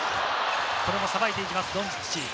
これもさばいていきます、ドンチッチ。